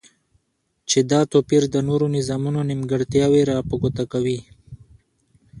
چی دا توپیر د نورو نظامونو نیمګرتیاوی را په ګوته کوی